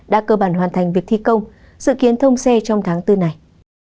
đã cơ bản hoàn thành việc thi công dự kiến thông xe trong tháng bốn này